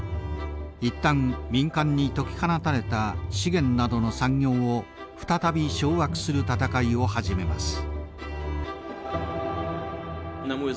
いったん民間に解き放たれた資源などの産業を再び掌握する闘いを始めます。